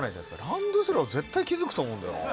ランドセルは絶対気づくと思うんだよな。